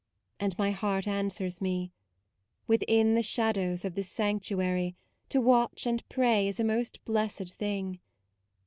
" and my heart answers me: "Within the shadows of this sanctuary To watch and pray is a most blessed thing.